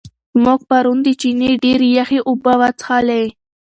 موږ پرون د چینې ډېرې یخې اوبه وڅښلې.